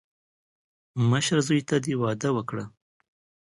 مشر زوی ته دې واده وکړه.